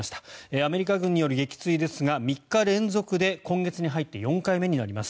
アメリカ軍による撃墜ですが３日連続で今月に入って４回目になります。